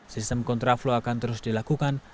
sistem kontraflow akan terus dilakukan